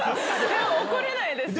怒れないですよね。